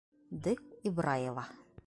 Д. ИБРАЕВА.